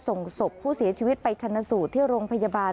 ส่งศพผู้เสียชีวิตไปชนะสูตรที่โรงพยาบาล